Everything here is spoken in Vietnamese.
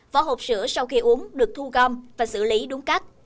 vỏ hộp sữa sau khi uống được thu gom và xử lý đúng cách